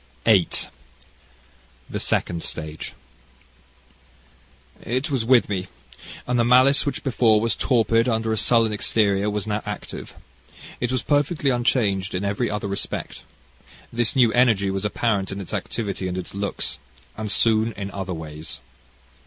CHAPTER VIII The Second Stage "It was with me, and the malice which before was torpid under a sullen exterior, was now active. It was perfectly unchanged in every other respect. This new energy was apparent in its activity and its looks, and soon in other ways.